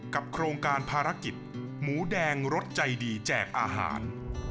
โครงการภารกิจหมูแดงรสใจดีแจกอาหาร